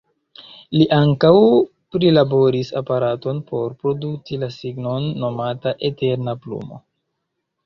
Li ankaŭ prilaboris aparaton por produkti la signon, nomata „eterna plumo”.